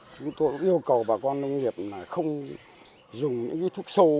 chúng tôi yêu cầu bà con nông nghiệp không dùng những thuốc sâu